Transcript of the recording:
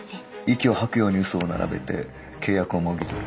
息を吐くように嘘を並べて契約をもぎ取る。